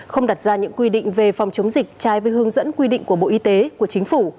không đặt ra những quy định về phòng chống dịch trái với hướng dẫn quy định của bộ y tế của chính phủ